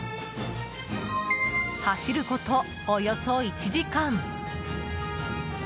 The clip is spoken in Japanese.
走ること、およそ１時間。